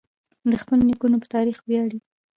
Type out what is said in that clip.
د خپلو نیکونو په تاریخ وویاړئ.